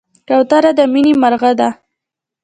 کوتره د مینې مرغه ده.